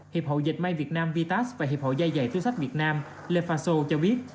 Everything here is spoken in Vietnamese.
hiệp hội dệt may việt nam vitas và hiệp hội da dày túi sách việt nam lefaso cho biết